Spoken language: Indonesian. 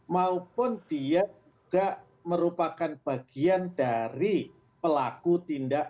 maupun dia juga merupakan bagian dari pelaku tindakan